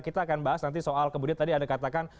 kita akan bahas nanti soal kemudian tadi ada katakan